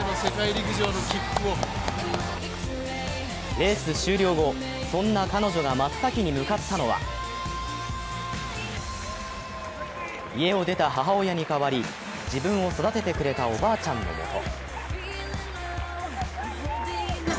レース終了後、そんな彼女が真っ先に向かったのは家を出た母親に代わり自分を育ててくれたおばあちゃんのもと。